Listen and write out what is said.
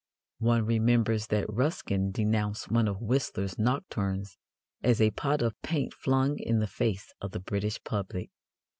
One remembers that Ruskin denounced one of Whistler's nocturnes as a pot of paint flung in the face of the British public.